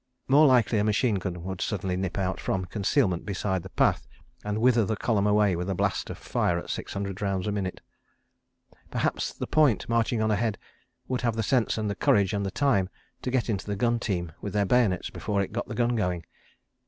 ... More likely a machine gun would suddenly nip out, from concealment beside the path, and wither the column away with a blast of fire at six hundred rounds a minute. ... Perhaps the "point" marching on ahead would have the sense and the courage and the time to get into the gun team with their bayonets before it got the gun going?